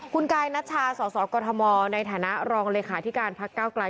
คุณกายนัชชาสสกมในฐานะรองเลขาธิการพักเก้าไกล